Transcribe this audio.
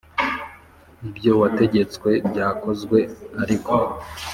Ibyo wategetse byakozwe ariko